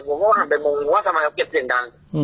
ผมก็ทำเป็นมงว่าทำไมเขาเก็บเสียงดัง